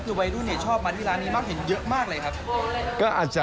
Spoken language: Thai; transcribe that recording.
คือวัยรุ่นชอบมาที่ร้านนี้มากเห็นเยอะมากเลยครับ